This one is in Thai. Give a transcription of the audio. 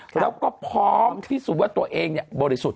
แล้วก็พร้อมที่สุดว่าตัวเองบริสุทธิ์